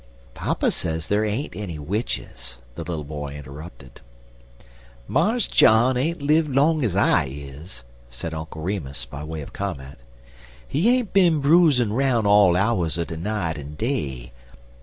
"Papa says there ain't any witches," the little boy interrupted. "Mars John ain't live long ez I is," said Uncle Remus, by way of comment. "He ain't bin broozin' roun' all hours er de night en day.